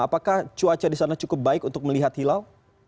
apakah cuaca di sana cukup baik untuk melihat hilal